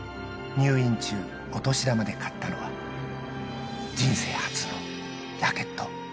入院中、お年玉で買ったのは、人生初のラケット。